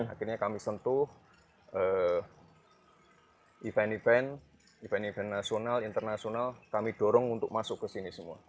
akhirnya kami sentuh event event nasional internasional kami dorong untuk masuk ke sini semua